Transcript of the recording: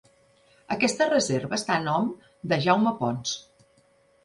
Aquesta reserva està a nom de Jaume Pons.